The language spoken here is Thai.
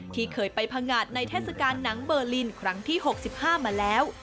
ที่เคยไปพังงาดในเทศกาลหนังเบอร์ลินครั้งที่๖๕มาแล้ว